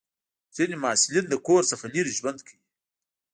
ځینې محصلین له کور څخه لرې ژوند کوي.